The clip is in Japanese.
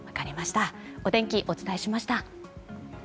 お天気、お伝えしました。